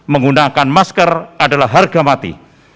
menggunakan masker adalah harga mati